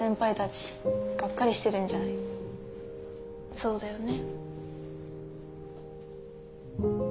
そうだよね。